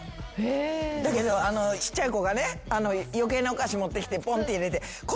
だけどちっちゃい子がね余計なお菓子持ってきてぽんって入れて。